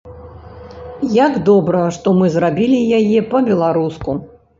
Як добра, што мы зрабілі яе па-беларуску!